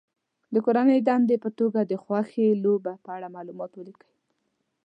د کورنۍ دندې په توګه د خوښې لوبې په اړه معلومات ولیکي.